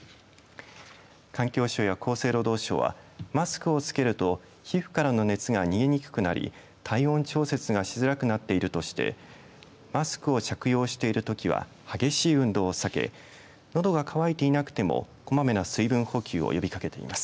環境省や厚生労働省はマスクを着けると皮膚からの熱が逃げにくくなり体温調節がしづらくなっているとしてマスクを着用しているときは激しい運動を避けのどが渇いていなくてもこまめな水分補給を呼びかけています。